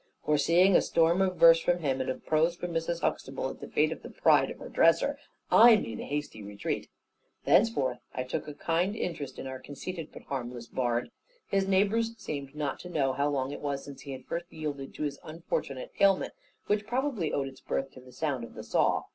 Foreseeing a storm of verse from him, and of prose from Mrs. Huxtable at the fate of the pride of her dresser, I made a hasty retreat. Thenceforth I took a kind interest in our conceited but harmless bard. His neighbours seemed not to know, how long it was since he had first yielded to his unfortunate ailment; which probably owed its birth to the sound of the saw.